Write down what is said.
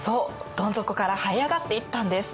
どん底からはい上がっていったんです。